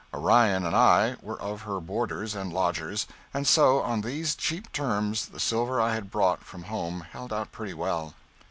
Orion and I were of her boarders and lodgers; and so, on these cheap terms the silver I had brought from home held out very well.